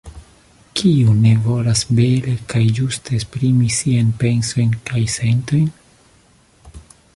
Kiu ne volas bele kaj ĝuste esprimi siajn pensojn kaj sentojn?